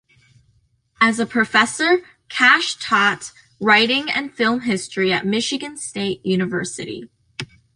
As a professor, Cash taught writing and film history at Michigan State University.